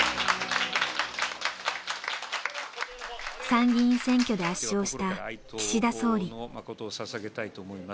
参議院選挙で圧勝した岸田総理。